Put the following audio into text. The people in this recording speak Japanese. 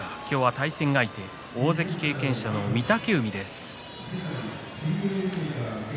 対戦相手は大関経験者の御嶽海です。